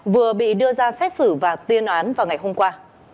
vừa bị đưa ra xét xử và tuyên án vào ngày hôm qua